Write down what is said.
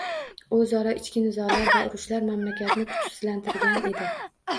O’zaro ichki nizolar va urushlar mamlakatni kuchsizlantirgan edi.